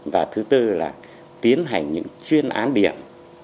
và thứ tư là tiến hành những chuyên án điểm